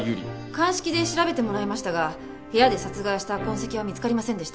鑑識で調べてもらいましたが部屋で殺害した痕跡は見つかりませんでした。